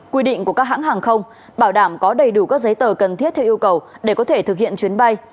quy định của các hãng hàng không bảo đảm có đầy đủ các giấy tờ cần thiết theo yêu cầu để có thể thực hiện chuyến bay